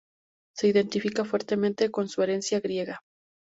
Se identifica fuertemente con su herencia griega.